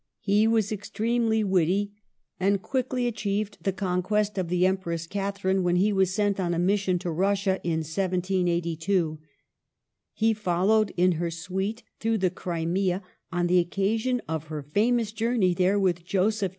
He was extremely witty, and quickly achieved the conquest of the Empress Catherine when he was sent on a mission to Rus sia in 1782. He followed in her suite through the Crimea on the occasion of her famous jour ney there with Joseph II.